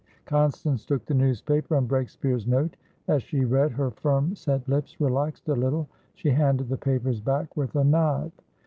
Constance took the newspaper and Breakspeare's note. As she read, her firm set lips relaxed a little. She handed the papers back with a nod.